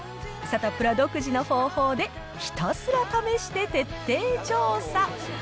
サタプラ独自の方法でひたすら試して徹底調査。